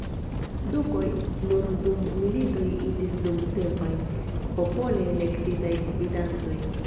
Dukoj nur dum militoj iĝis dumtempaj, popole elektitaj gvidantoj.